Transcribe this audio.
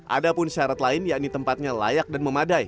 ada pun syarat lain yakni tempatnya layak dan memadai